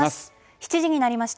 ７時になりました。